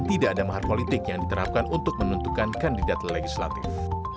tidak ada mahar politik yang diterapkan untuk menentukan kandidat legislatif